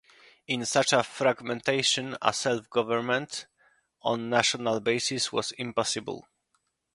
In such a fragmentation, a self-government on national basis was impossible.